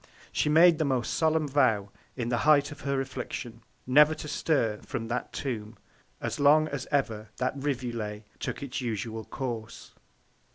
She made the most solemn Vow, in the Height of her Affliction, never to stir from that Tomb, as long as ever that Rivulet took its usual Course.